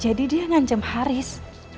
jadi dia ngancam haris